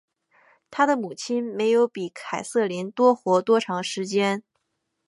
她的母亲没有比凯瑟琳多活多长时间。